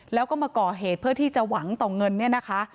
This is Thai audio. แล้วก็มาก่อเหตุเพื่อที่จะหวังต่อเงินเนี่ยนะคะ